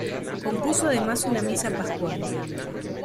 Compuso además una misa pascual.